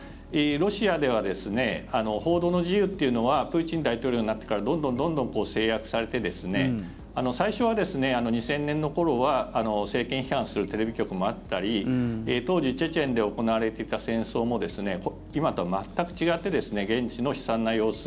ロシアでは報道の自由というのはプーチン大統領になってからどんどん、どんどん制約されて最初は、２０００年の頃は政権批判するテレビ局もあったり当時チェチェンで行われていた戦争も今とは全く違って現地の悲惨な様子